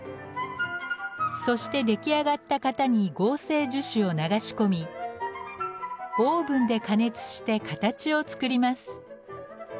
そして出来上がった型に合成樹脂を流し込みオーブンで加熱して形を作ります。